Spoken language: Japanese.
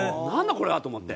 これは」と思って。